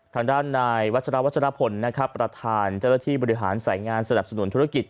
ทางด้านนายวัชราวัชรพลนะครับประธานเจ้าหน้าที่บริหารสายงานสนับสนุนธุรกิจ